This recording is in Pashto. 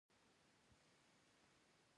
هندوکش په طبیعت کې مهم رول لري.